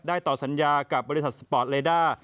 ต่อสัญญากับบริษัทสปอร์ตเลด้า